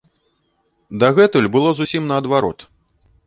Дагэтуль было зусім наадварот.